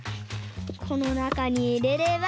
このなかにいれれば。